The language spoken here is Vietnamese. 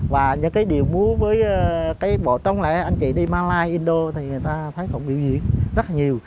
và những cái điệu múa với cái bộ trống lễ anh chị đi malay indo thì người ta thấy họ biểu diễn rất là nhiều